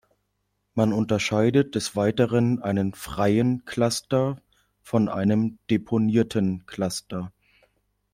Man unterscheidet des Weiteren einen "freien" Cluster von einem "deponierten" Cluster.